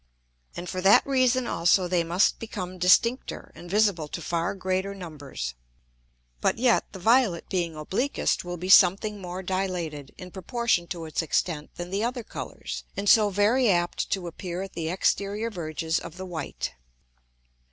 And for that reason also they must become distincter, and visible to far greater numbers. But yet the violet being obliquest will be something more dilated, in proportion to its extent, than the other Colours, and so very apt to appear at the exterior Verges of the white.